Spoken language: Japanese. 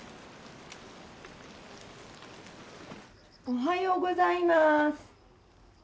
おはようございます。